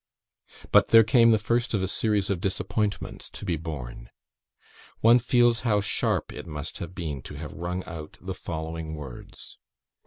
But there came the first of a series of disappointments to be borne. One feels how sharp it must have been to have wrung out the following words.